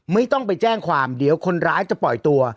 ไม่ต้องไปแจ้งความเดี๋ยวคนร้ายจะปล่อยตัว